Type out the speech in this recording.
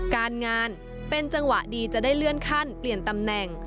การงานเป็นจังหวะดีจะได้เลื่อนขั้นเปลี่ยนตำแหน่ง